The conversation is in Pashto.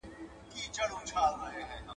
د حیواناتو ځورول لویه ګناه ده.